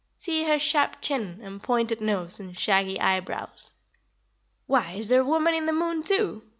See her sharp chin and pointed nose and shaggy eyebrows." "Why, is there a woman in the moon, too?"